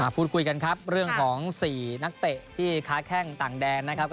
พูดคุยกันเรื่องของสี่นักเตะที่คัดแค่งต่างแดง